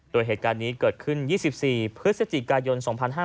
โดยเหตุการณ์นี้เกิดขึ้น๒๔พฤศจิกายน๒๕๕๙